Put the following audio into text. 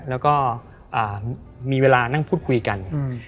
แล้วก็มีเวลานั่งพูดคุยกัน